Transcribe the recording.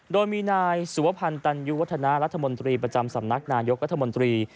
โดยมีนายสุวพันธ์ตันยุวัฒนารัฐมนตรีประจำสำนักนายกรัฐมนตรี